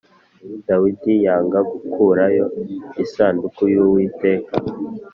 Dawidi yanga gukurayo isanduku y’Uwiteka